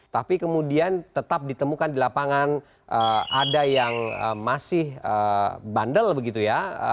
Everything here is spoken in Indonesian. tapi kemudian tetap ditemukan di lapangan ada yang masih bandel begitu ya